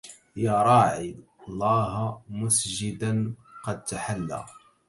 يا رعى الله مسجدا قد تحلى